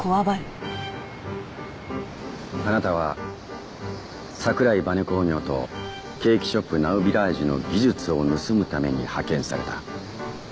あなたは桜井バネ工業とケーキショップ・ナウビラージュの技術を盗むために派遣された。